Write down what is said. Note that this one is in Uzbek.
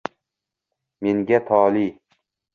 Menga tole